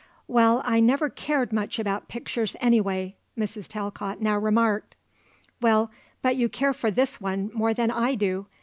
"Well, I never cared much about pictures anyway," Mrs. Talcott now remarked. "Well, but you care for this one more than I do!"